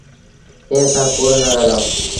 ڪݩهݩ سآݩ ڪوڙ نا ڳآلآئو۔